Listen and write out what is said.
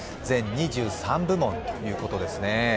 全２３部門ということですね。